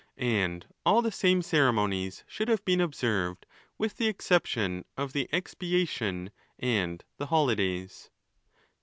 And all the same ceremonies should have been observed with the exception of the expiation and the holidays.